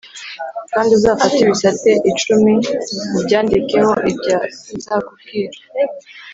kandi uzafate ibisate icumiubyandikeho ibyo nzakubwira